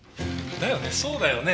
だよねそうだよね！